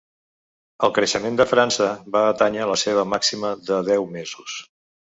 El creixement de França va atènyer la seva màxima de deu mesos.